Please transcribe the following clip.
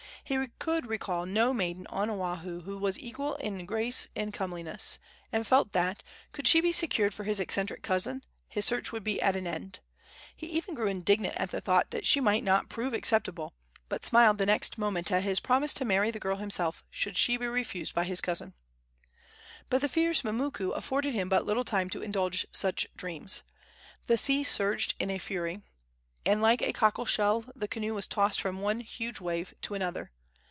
He could recall no maiden on Oahu who was her equal in grace and comeliness, and felt that, could she be secured for his eccentric cousin, his search would be at an end. He even grew indignant at the thought that she might not prove acceptable, but smiled the next moment at his promise to marry the girl himself should she be refused by his cousin. But the fierce mumuku afforded him but little time to indulge such dreams. The sea surged in fury, and like a cockleshell the canoe was tossed from one huge wave to another.